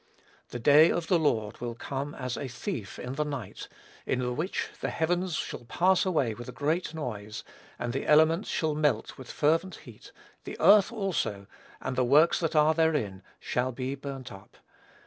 "The day of the Lord will come as a thief in the night, in the which the heavens shall pass away with a great noise, and the elements shall melt with fervent heat, the earth also, and the works that are therein, shall be burnt up."